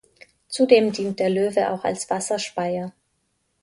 Zudem dient der Löwe auch als Wasserspeier.